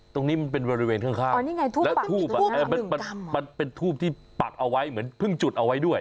ตรงนี้มันเป็นบริเวณข้างแล้วทูบมันเป็นทูบที่ปักเอาไว้เหมือนเพิ่งจุดเอาไว้ด้วย